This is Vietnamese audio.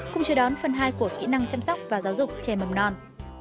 cùng chờ đón phần hai của kỹ năng chăm sóc và giáo dục trẻ mầm non